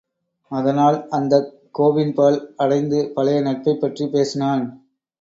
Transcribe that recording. அதனால் அந்தக் கோவின்பால் அடைந்து பழைய நட்பைப்பற்றிப் பேசினான்.